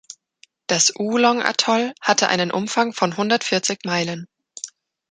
Das Oolong-Atoll hatte einen Umfang von hundertvierzig Meilen.